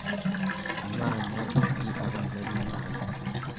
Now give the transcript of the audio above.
UMWANA It abana b Imana